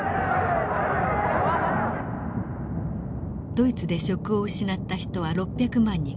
ドイツで職を失った人は６００万人。